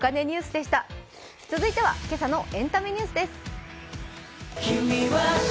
続いては今朝のエンタメニュースです。